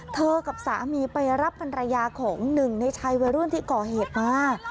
กับสามีไปรับภรรยาของหนึ่งในชายวัยรุ่นที่ก่อเหตุมา